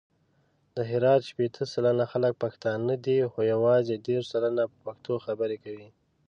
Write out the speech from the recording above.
د هرات شپېته سلنه خلګ پښتانه دي، خو یوازې دېرش سلنه په پښتو خبري کوي.